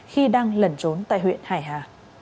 khi đang lẩn trốn tại huyện hải hà